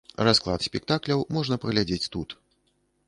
Расклад спектакляў можна паглядзець тут.